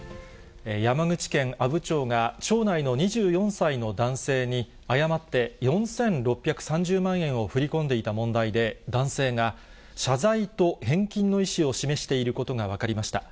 山口県阿武町が、町内の２４歳の男性に誤って４６３０万円を振り込んでいた問題で、男性が、謝罪と返金の意思を示していることが分かりました。